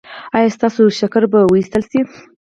ایا ستاسو شکر به وویستل شي؟